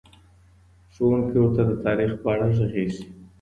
ښوونکی ورته د تاريخ په اړه غږېږي.